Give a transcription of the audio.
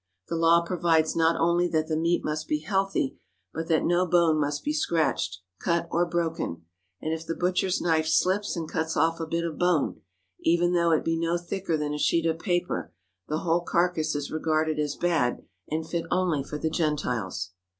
The law provides not only that the meat must be healthy, but that no bone must be scratched, cut, or broken, and if the butcher's knife slips and cuts off a bit of bone, even though it be no thicker than a sheet of paper, the whole carcass is regarded as bad and fit only for the Gentiles.